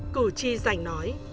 cử tri giành nói